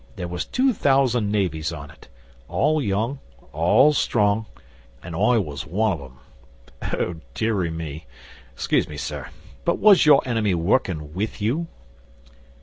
There was two thousand navvies on it all young all strong an' I was one of 'em. Oh, dearie me! Excuse me, sir, but was your enemy workin' with you?